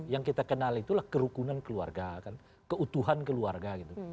yang kita kenal itulah kerukunan keluarga kan keutuhan keluarga gitu